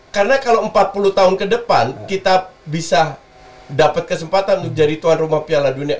karena kalau empat puluh tahun ke depan kita bisa dapat kesempatan untuk jadi tuan rumah piala dunia